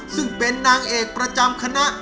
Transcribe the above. ซึ่งเป็นนางเอกประจำคณะ